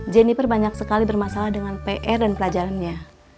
jenniper banyak sekali bermasalah dengan pr dan pelajarannya